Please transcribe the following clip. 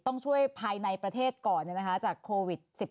ต้องช่วยภายในประเทศก่อนจากโควิด๑๙